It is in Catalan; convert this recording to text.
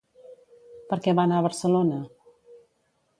Per què va anar a Barcelona?